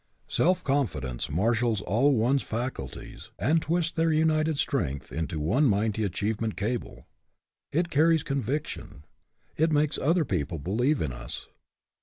Self confidence marshals all one's faculties and twists their united strength into one mighty achievement cable. It carries con viction. It makes other people believe in us.